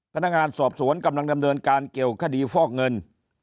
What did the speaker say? พนักงานสอบสวนกำลังดำเนินการเกี่ยวคดีฟอกเงิน